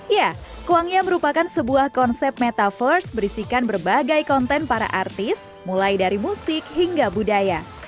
ya kuangnya merupakan sebuah konsep metaverse berisikan berbagai konten para artis mulai dari musik hingga budaya